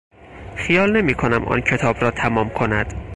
خیال نمیکنم آن کتاب را تمام کند.